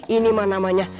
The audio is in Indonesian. ini mah namanya